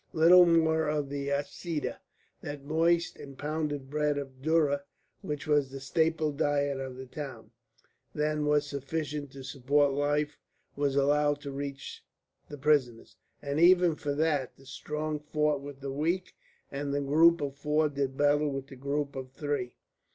Little more of the "aseeda" that moist and pounded cake of dhurra which was the staple diet of the town than was sufficient to support life was allowed to reach the prisoners, and even for that the strong fought with the weak, and the group of four did battle with the group of three.